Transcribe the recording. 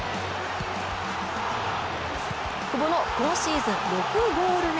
久保の今シーズン６ゴール目。